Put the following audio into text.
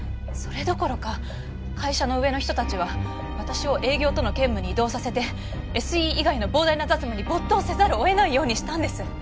それどころか会社の上の人たちは私を営業との兼務に異動させてＳＥ以外の膨大な雑務に没頭せざるを得ないようにしたんです。